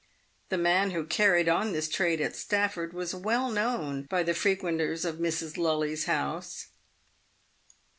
The man who carried on this trade at Stafford was well known by the frequenters of Mrs. Lully's house.